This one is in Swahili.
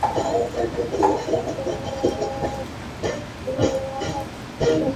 wakati viongozi baada ya uchaguzi wanajiamulia